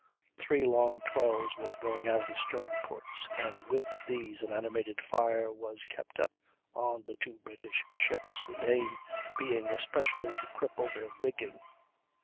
Three long 12's were got out of the stern ports, and with these an animated fire was kept up on the two British ships, the aim being especially to cripple their rigging.